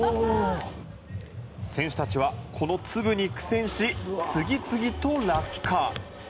選手たちは、この粒に苦戦し次々と落下。